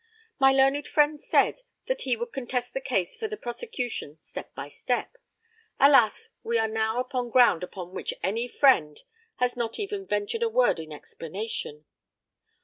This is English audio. My learned friend said that he would contest the case for the prosecution step by step. Alas! we are now upon ground upon which my friend has not even ventured a word in explanation.